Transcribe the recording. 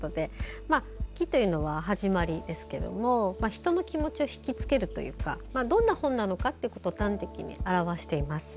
「起」というのは始まりですけど人の気持ちを引きつけるというかどんな本なのかを端的に表しています。